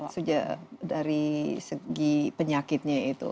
sudah dari segi penyakitnya itu